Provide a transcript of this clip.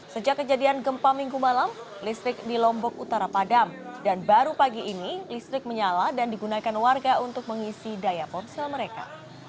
sejak kejadian gempa minggu malam listrik di lombok utara padam dan baru pagi ini listrik menyala dan digunakan warga untuk mengisi daya ponsel mereka